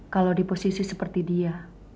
kalau di posisi seperti dia